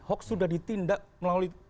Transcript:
hoax sudah ditindak melalui